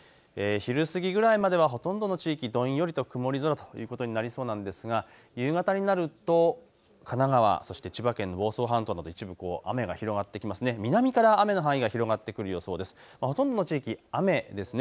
昼過ぎぐらいまではほとんどの地域、どんよりと曇り空ということになりそうなんですが、夕方になると神奈川、そして千葉県の房総半島など一部、雨が広がってきますね。